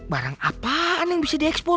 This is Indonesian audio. barang apa yang bisa diekspor